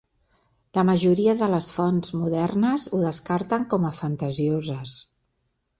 La majoria de les fonts modernes ho descarten com a fantasioses.